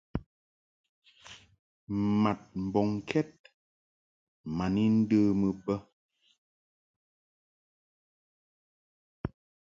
Mad mbɔŋkɛd ma ni ndəmɨ bə.